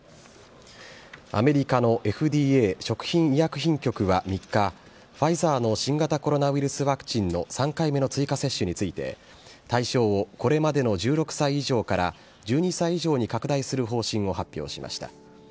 アメリカのＦＤＡ・食品医薬品局は３日、ファイザーの新型コロナウイルスワクチンの３回目の追加接種について、対象をこれまでの１６歳以上から、１２歳以上に拡大する方針を発表しました。